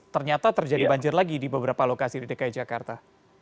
ternyata terjadi banjir lagi di beberapa lokasi di dki jakarta